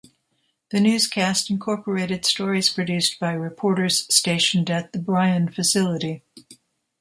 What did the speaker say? The newscast incorporated stories produced by reporters stationed at the Bryan facility.